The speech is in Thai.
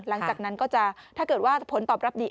หลังจากนั้นก็จะถ้าเกิดว่าผลตอบรับดี